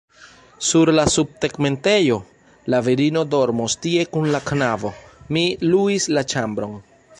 Sur la subtegmentejo? La virino dormos tie kun la knabo; mi luis la ĉambron.